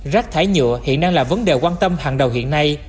rác thải nhựa hiện đang là vấn đề quan tâm hàng đầu hiện nay